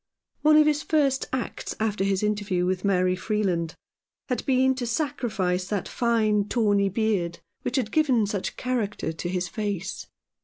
One of his first acts after his interview with 196 Chums. Mary Freeland had been to sacrifice that fine tawny beard which had given such character to his face.